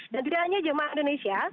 dan tidak hanya jemaah indonesia